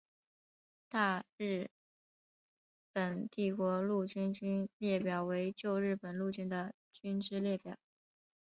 大日本帝国陆军军列表为旧日本陆军的军之列表。